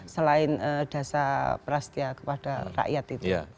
selain dasar prastya kepada rakyat itu